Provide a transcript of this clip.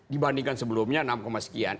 dibandingkan sebelumnya enam sekian